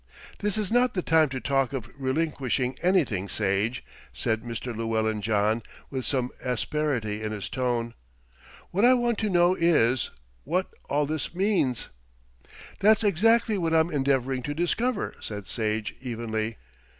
"This is not the time to talk of relinquishing anything, Sage," said Mr. Llewellyn John with some asperity in his tone. "What I want to know is what all this means." "That's exactly what I'm endeavouring to discover," said Sage evenly.